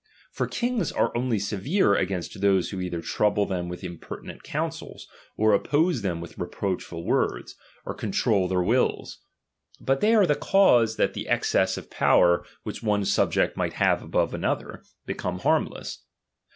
For " ■.•lings are only severe against those who either j^ct troable them with impertinent counsels, or oppose i^ tliem with reproachful words, or control their wills ; but they are the cause that that excess of power which one subject might have above another, becomes harmless.